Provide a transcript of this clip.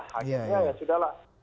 akhirnya ya sudah lah